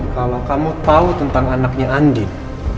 kalau kamu tahu tentang anaknya andin